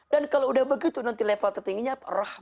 dan kalau udah begitu nanti level tertingginya apa rahmat